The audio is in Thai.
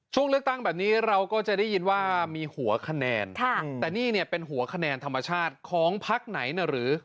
ช่วงเลือกตั้งแบบนี้เราก็จะได้ยินว่ามีหัวคะแนนแต่นี่เนี่ยเป็นหัวคะแนนธรรมชาติของพักไหนนะหรือ